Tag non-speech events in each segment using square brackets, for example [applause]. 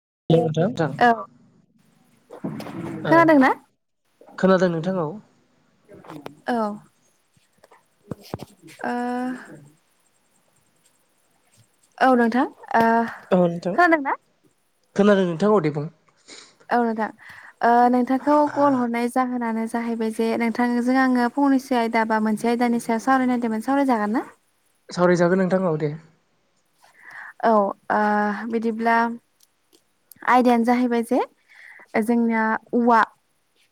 [unintelligible] औ खोनादों ना खोनादों नोंथां औ औ। आ औ नोंथां। ओ औ नोंथां खोनादोंना खोनादों नोंथां औ दे बुं औ नोंथां, ओ नोंथांखौ कल हरनाय जाहोनानो। जाहैबाय जे नोंथांजों आङो फंनैसो आयदा बा मोनसे आयदानि सायाव सावराय नागदोंमोन सावरायजागोन ना? सावरायजागोन नोंथां औ दे। औ ओ बिदिब्ला आयदायानो जाहैबाय जे जोंना औवा।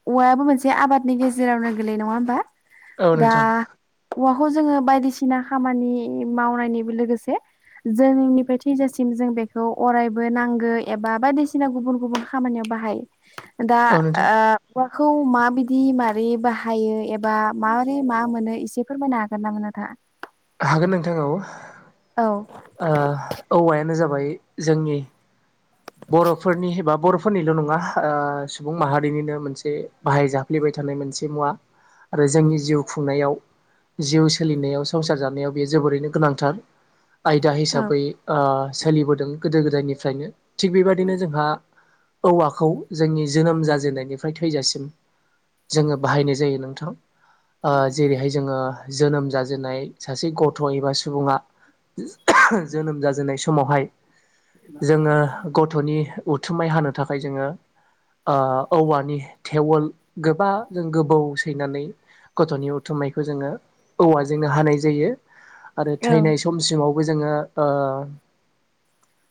औवायाबो मोनसे आबादनि गेजेरावनो गोलैयो नङा होमबा। औ दा नोंथां औवा खौ जोङो बायदिसिना खामानि मावनायनि लोगोसे जोनोमनिफ्राय थैजासिम जों बेखौ अरायबो नांगो एबा बायदिसिना गुबुन गुबुन खामानियाव बाहाय। दा औ नोंथां [unintelligible] मा बि जि मारै बाहायो एबा माबारै मा मोनो एसे फोरमायनो हागोन नामा नोंथाङा? हागोन नोंथां औ औ। ओ औवायानो जाबाय जोंनि बर'फोरनि एबा बर'फोरनिल' नङा ओ सुबुं माहारिनिनो मोनसे बाहाय जाफ्लेबाय [unintelligible] मोनसे मुवा, आरो जोंनि जिउ खुंनायाव जिउ सोलिनायाव संसार जानायाव बेयो जोबोरैनो गोनांथार। आयदा औ हिसाबै ओ सोलिबोदों गोदो गोदायनिफ्रायनो। थिग बेबादिनो जोंहा औवाखौ जोंनि जोनोम जाजेननायनिफ्राय थैजासिम जोङो बाहायनाय जायो नोंथां। ओ जेरैहाय जोङो जोनोम जाजेननाय सासे गथ' एबा सुबुङा जोनोम जाजेननाय समावहाय [inaudible] नि उथुमाय हानो थाखाय जोङो ओ औवानि थेवोल गोबा जों गोबौ सैनानै गथ'नि उथुमनायखौ जोङो औवाजोंनो हानाय जायो। आरो औ थैनाय समसिमावबो जोङो ओ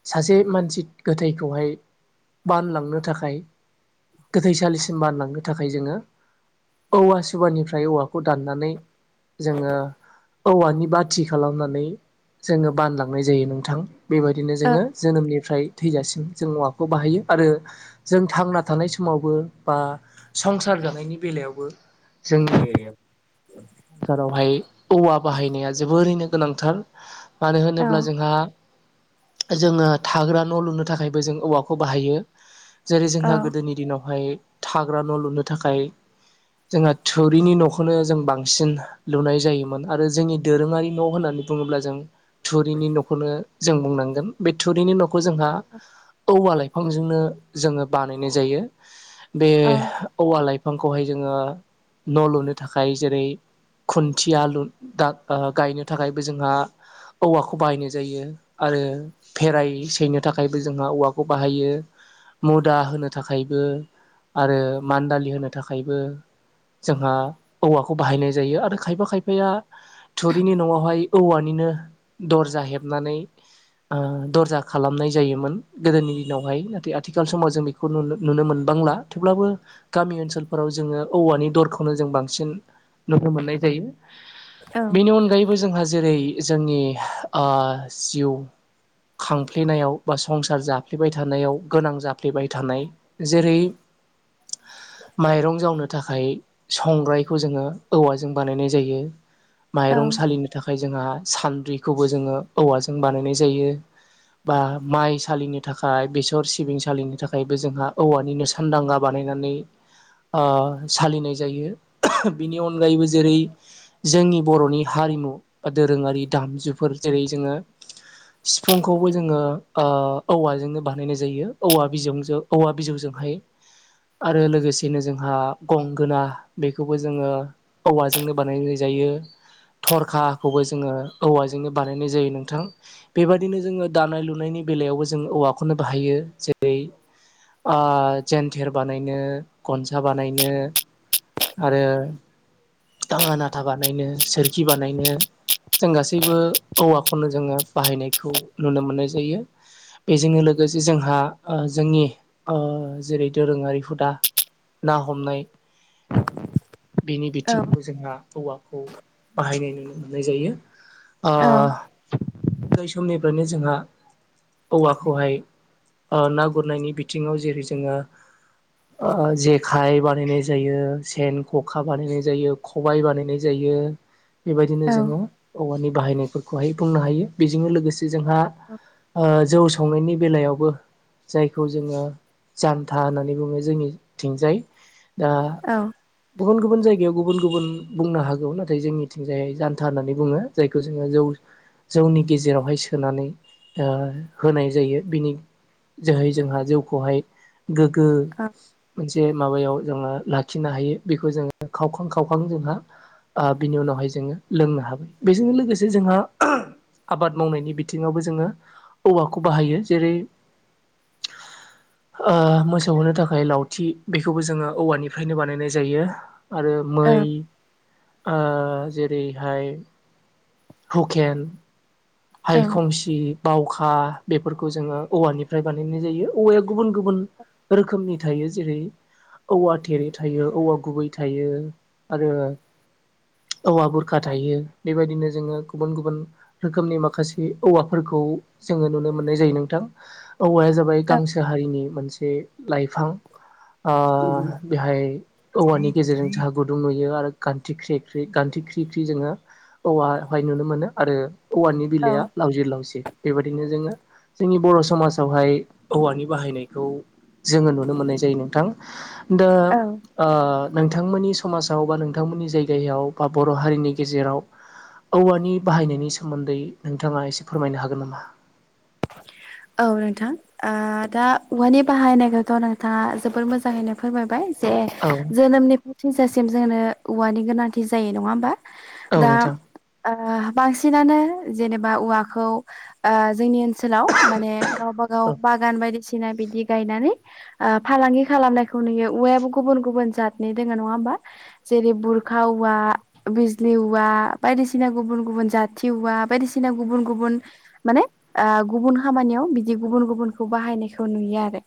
सासे मानसि गोथैखौहाय बानलांनो थाखाय गोथैसालिसिम बानलांनो थाखाय जोङो औवा सिबनिफ्राय औवाखौ दाननानै जोङो औवानि बाथि खालामनानै जोङो बानलांनाय जायो नोंथां। बेबायदिनो औ जोङो जोनोमनिफ्राय थैजासिम जों औवाखौ बाहायो आरो जों थांना थानाय समावबो बा संसार जानायनि बेलायावबो जोंनि [unintelligible] संसारावहाय औवा बाहायनाया जोबोरैनो गोनांथार। मानो होनोब्ला जोंहा जोङो थाग्रा न' लुनो थाखायबो जों औवाखौ बाहायो। जेरै औ जोंहा गोदोनि दिनावहाय थाग्रा न' लुनो थाखाय जोंहा थुरिनि न'खौनो जों बां सिन लुनाय जायोमोन आरो जोंनि दोरोङारि न' होननानै बुङोब्ला जों थुरिनि न'खौनो जों बुंनांगोन। बे थुरिनि न'खौ जोंहा औवा लाइफांजोंनो जोङो बानायनाय जायो। बे औ औवा लाइफांखौहाय जोङो न' लुनो थाखाय जेरै खुन्थिया लु दा गायनो थाखायबो जोंहा औवाखौ बाहायनाय जायो आरो फेराय सैनो थाखायबो जोंहा औवाखौ बाहायो। मुदा होनो थाखायबो आरो मान्दालि होनो थाखायबो जोंहा औवाखौ बाहायनाय जायो आरो खायफा खायफाया थुरिनि न'आवहाय औवानिनो दरजा हेबनानै ओ दरजा खालामनाय जायोमोन गोदोनि दिनावहाय। नाथाय आथिखाल समाव जों बेखौ नुनो नुनो मोन बांला, थेवब्लाबो गामि ओनसोलफोराव जोङो औवानि दरखौनो जों बांसिन नुनो मोननाय जायो। औ बेनि अनगायैबो जोंहा जेरै जोंनि ओ जिउ खांफ्लेनायाव बा संसार जाफ्लेबाय थानायाव गोनां जाफ्लेबाय थानाय जेरै माइरं जावनो थाखाय संग्रायखौ जोङो औवाजों बानायनाय जायो। औ माइरं सालिनो थाखाय जोंहा सान्द्रिखौबो जोङो औवाजों बानायनाय जायो। बा माइ सालिनो थाखाय बेसर सिबिं सालिनो थाखायबो जोंहा औवानिनो सानदांगा बा नायनानै ओ सालिनाय जायो। बिनि अनगायैबो जेरै जोंनि बर'नि हारिमु बा दोरोङारि दामजुफोर जेरै जोङो सिफुंखौबो जोङो ओ औवाजोंनो बानायनाय जायो औवा बिजौजों औवा बिजौजों। आरो लोगोसेनो जोंहा गंगोना बेखौबो जोङो औवाजोंनो बानायनाय जायो। थरखाखौबो जोङो औवाजोंनो बानायनाय जायो नोंथां। बेबायदिनो जोङो दानाय लुनायनि बेलायावबो जों औवाखौनो बाहायो जेरै- जेन्थेर बानायनो गनसा बानायनो आरो दाङा नाथा बानायनो सोरखि बानायनो जों गासैबो औवाखौनो जोङो बाहायनायखौ नुनो मोननाय जायो। बेजों लोगोसे जोंहा जोंनि जेरै दोरोङारि हुदा ना हमनाय बि औ थिंबो जोंहा हौवाखौ बाहायनाय नुनो मोननाय जायो। उन्दै समनिफ्रायनो जोंहा औवाखौहाय ओ ना गुरनायनि बिथिङाव जेरै- जोङो ओ जेखाय बानायनाय जायो सेन, ख'खा बानायनाय जायो ख'बाय बानायनाय जायो बेबायदिनो जोङो औवानि बाहायनाय बेफोरखौहाय बुंनो हायो । बेजोंनो लोगोसे जोंहा जौ संनायनि बेलायावबो जायखौ जोङो जानथा होननानै बुङो जोंनिथिंजाय दा गुबुन गुबुन जायगायाव गुबुन गुबुन बुंनो हागौ । नाथाय जोंनिथिंजाय जानथा होननानै बुङो जायखौ जोङो जौ जौनि गेजेरावहाय सोनानै ओ होनाय जायो बिनि जोहै जोंहा जौखौहाय गोग्गो औ मोनसे माबायाव जोङो लाखिनो हायो बेखौ जोङो खावखां खावखां जोंहा ओ बिनि उनावहाय जोङो लोंनो हायो। बेजों लोगोसे जोंहा आबाद मावनायनि बिथिङावबो जोङो औवाखौ बाहायो । जेरै- [inaudible] ओ मोसौ होनो थाखाय लावथि बेखौबो जोङो औवानिफ्रायनो बानायनाय जायो। आरो मै ओ जेरैहाय हुकेन, हायखंसि, बाव खा बेफोरखौ जोङो औवानिफ्राय बानायनाय जायो। औवाया गुबुन गुबुन रोखोमनि थायो। जेरै- औवा थेरे थायो, औवा गुबै थायो आरो औवा बुरखा थायो बेबायदिनो जोङो गुबुन गुबुन रोखोमनि मा खासे औवाफोरखौ जोङो नुनो मोननाय जायो नोंथां। औवाया जाबाय गांसो हारिनि मोनसे लाइफां ओ बेहाय औवानि गेजेरजों जोंहा गुदुं नुयो आरो गान्थि ख्रि गान्थि ख्रिख्रि जोङो औवाहाय नुनो मोनो आरो औवानि औ बिलाइआ लावज्रिद लावज्रिद। बेबायदिनो जोङो जोंनि बर' समाजावहाय औवानि बाहायनायखौ जोङो नुनो मोननाय जायो नोंथां। दा औ ओ नोंथांमोननि समाजाव बा नोंथांमोननि जायगायाव बा बर' हारिनि गेजेराव औवानि बाहायनायनि सोमोन्दै नोंथाङा एसे फोरमायनो हागोन नामा? औ नोंथां। ओ दा औवानि बाहायनायखौथ' नोंथाङा जोबोर मोजाङैनो फोरमायबाय जे औ जोनोमनिफ्राय थैजासिम जोंनो औवानि गोनांथि जायो, नङा होमबा? औ दा नोंथां। ओ बांसिनानो जेनेबा औवाखौ ओ जोंनि ओनसोल माने गावबा गाव औ बागान बायदिसि ना बिदि गायनानै ओ फालांगि खालामनायखौ नुयो उवायाबो गुबुन गुबुन जादनि दोङो, नङा होमबा? जेरै बुरखा उवा, बिजलि उवा बायदिसिना गुबुन गुबुन जाथिउवा बायदिसिना गुबुन गुबुन माने आ गुबुन खामानियाव बिदि गुबुन गुबुनखौ बाहायनायखौ नुयो आरो।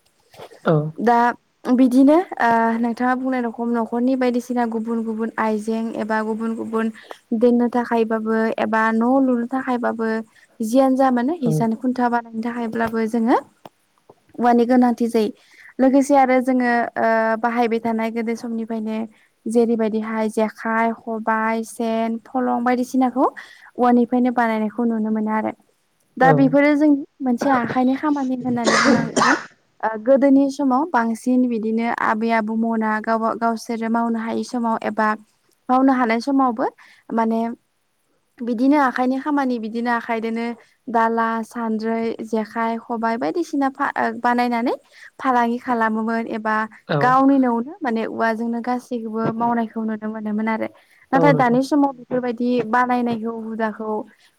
औ दा बिदिनो ओ नोंथाङा बुंनाय रखम न'खरनि बायदिसिना गुबुन गुबुन आइजें एबा गुबुन गुबुन दोननो थाखायबाबो एबा न' लुनो थाखायबाबो जियानो जा मानो औ हिसान खुन्था बानायनो थाखायब्लाबो जोङो उवानि गोनांथि जायो । लोगोसे आरो जोङो ओ बाहायबाय थानाय गोदो समनिफायनो जेरैबायदिहाय जेखाइ, खबाय, सेन, फलं बायदिसिनाखौ उवानि फायनो बानायनायखौ नुनो मोनो आरो। दा औ बेफोरो जोंनि मोनसे आखाइनि खामानि होननानै बुंनांगोन ओ गोदोनि समाव बांसिन बिदिनो आबै-आबौमना गावबा गावसोरो मावनो हायै समाव ए बा मावनो हानाय समावबो माने बिदिनो आखाइनि खामानि बिदिनो आखाइदोनो दाला-सानद्रै जेखाय-खबाय बायदिसिना फा ओ बानायनानै फालांगि खालामोमोन ए बा औ गावनि न'आवनो माने उवाजोंनो गासैखौबो मावनायखौ नुनो मोनोमोन आरो। औ नाथाय नोंथां दानि समाव बेफोरबायदि बानायनायखौ हुदाखौ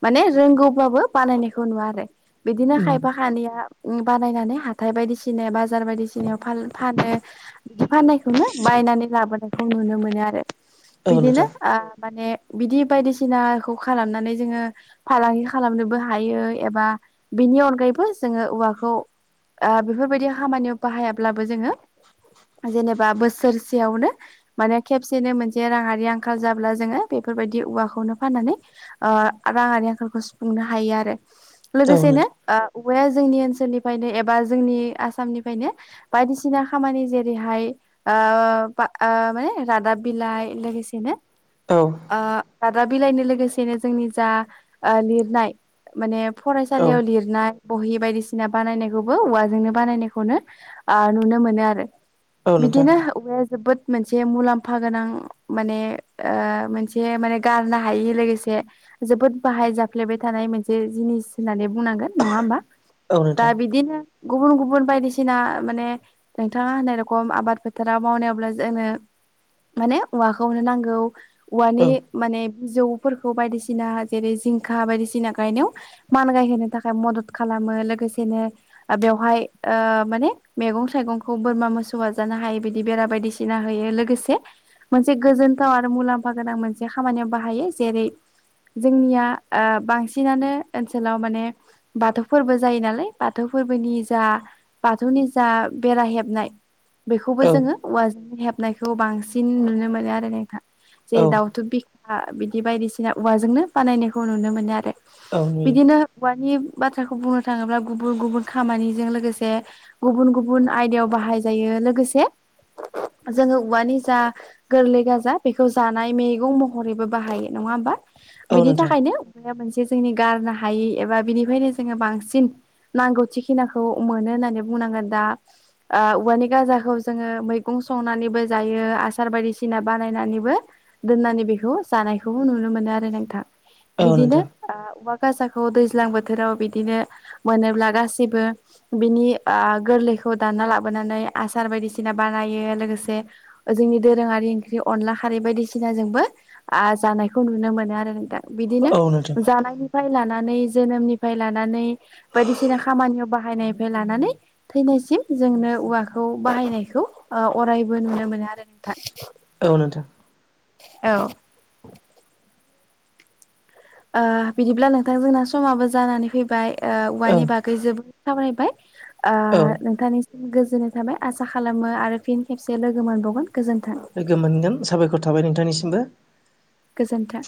माने रोंगौब्लाबो बानायनायखौ नुवा आरो बिदिनो उम खायफा खानैया उम बानायनानै हाथाय बायदिसिने बा बाजार बायदिसिनायाव फाल फानो बिदि फाननायखौनो बायनानै लाबोनायखौ नुनो मोनो आरो। औ बिदिनो नोंथां आ माने बिदि बायदिसिनाखौ खालामनानै जोङो फालांगि खालामनोबो हायो एबा बेनि अनगायैबो जोङो औवाखौ आ बेफोरबायदि खामानियाव बाहायाब्लाबो जोङो जेनेबा बोसोरसेयावनो माने खेबसेनो मोनसे राङारि आंखाल जाब्ला जोङो बेफ बेफोरबायदि औवाखौनो फाननानै ओ राङारि आंखालखौ सुफुंनो हायो आरो। औ लोगोसेनो नोंथां आ औवाया जोंनि ओनसोलनिफायनो एबा जोंनि आसामनिफायनो बायदिसिना खामानि जेरैहाय आ बा आ माने रादाब बिलाइ लोगोसेयैनो औ आ [unintelligible] [unintelligible] बिलाइनि लोगोसेनो जोंनि जा ओ लिरनाय माने औ फरायसालियाव लिरनाय बहि बायदिसिना बानायनायखौबो औवाजोंनो बानायनायखौनो आ नुनो मोनो आरो। औ नोंथां बिदिनोह औवाया जोबोद मोनसे मुलाम्फा गोनां माने आ मोनसे माने गारनो हायि लोगोसे जोबोद बाहाय जाफ्लेबाय थानाय मोनसे जिनिस होननानै बुंनांगोन नङा ओमबा औ दा नोंथां बिदिनो गुबुन-गुबुन बायदिसिना आ माने नोंथाङा होननाय रखम आबाद फोथाराव मावनायावब्ला जोंनो माने उवाखौनो नांगौ औ उवानि माने बिजौफोरखौ बायदिसिना जेरै जिंखा बायदिसिना गायनायाव मानगायहोनो थाखाय मदद खालामो लोगोसेनो ओ बेवहाय ओ माने मैगं थाइगं खौ बोरमा मोसौवा जानो हायैबायदि बेरा बायदिसिना होयो लोगोसे मोनसे गोजोनथाव आरो मुल लाम्फा गोनां मोनसे खामानियाव बाहायो जेरै जोंनिया आ बांसिनानो ओनसोलाव माने बाथौ फोरबो जायो नालाय बाथौ फोरबोनि जा बाथौनि जा बेरा हेबनाय बेखौबो औ जोङो औवाजों हेबनायखौ बांसिन नुनो मोनो आरो नोंथां औ जेरै दाावथुब बिख आ बिदि बायदिसिना उवाजोंनो बानायनायखौ नुनो मोनो आरो औ नुयो बिदिनो उवानि बाथ्राखौ बुंनो थाङोब्ला गुबुन-गुबुन खामानिजों लोगोसे गुबुन-गुबुन आयदायाव बाहाय जायो लोगोसे जोङो उवानि जा गोरलै गाजा बेखौ जानाय मैगं महरैबो बाहायो नङा ओमबा। औ बेनि नोंथां थाखायनो उवाया मोनसे जोंनि गारनो हायै एबा बिनिफ्रायनो जोङो बांसिन नांगौथिखिनाखौ मोनो होननानै बुंनांगोन दा आ उवानि गाजाखौ जोङो मैगं संनानैबो जायो आसार बायदिसिना बानायनानैबो दोननानै बेखौ जानायखौ नुनो मो नो आरो नोंथां औ बिदिनो नोंथां ओ उवा गासाखौ दैज्लां बोथोराव बिदिनो मोनोब्ला गासिबो बिनि ओ गोरलै खौ दानना लाबोनानै आसार बायदिसिना बानायो लोगोसे जोंनि दोरोङारि ओंख्रि अनला खारै बायदिसिना जोंबो ओ जानायखौ नुनो मोनो आरो नोंथा बिदिनो औ नोंथां जानायनि लानानै जोनोमनिफ्राय लानानै बायदिसिना खामानियाव बाहायनायनिफ्राय लानानै थैनायसि म जोंनो औवाखौ बाहायनायखौ अरायबो नुनो मोनो आरो नोंथां। औ नोंथां। औ ओ बिदिब्ला नोंथां जोंना समाबो जानानै फैबाय ओ औ औवानि बागै जोब सावरायबाय ओ औ नोंथांनिसिम गोजोननाय थाबाय आसा खालामो आरो फिन खेम से लोगो मोनबावगोन। गोजोन्थों लोगो मोनगोन साबायखर थाबाय नोंथांनिसिमबो। गोजोन्थों।